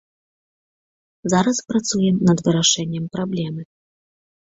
Зараз працуем над вырашэннем праблемы.